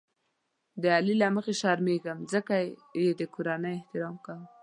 د علي له مخې شرمېږم ځکه یې د کورنۍ احترام کوم.